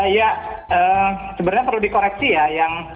ya sebenarnya perlu dikoreksi ya